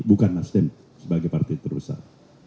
bukan nasdem sebagai partai terbesar